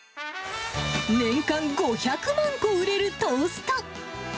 年間５００万個売れるトースト。